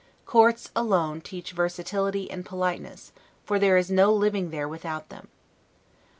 Courts, alone, teach versatility and politeness; for there is no living there without them.